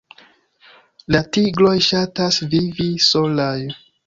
La tigroj ŝatas vivi solaj.